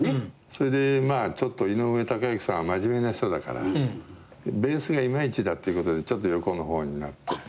それで井上堯之さんは真面目な人だからベースがいまいちだっていうことでちょっと横の方になって。